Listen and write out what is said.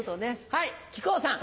はい木久扇さん。